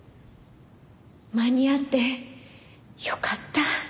間に合ってよかった。